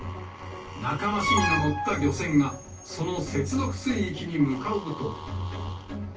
仲間市議の乗った漁船が、その接続水域に向かうと。